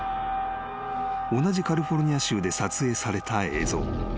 ［同じカリフォルニア州で撮影された映像］